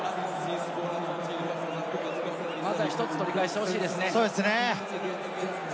まずは１つ取り返してほしいですね。